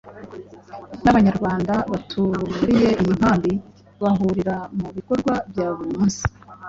nabanyarwanda baturiye iyi nkambi bahurira mu bikorwa bya buri munsi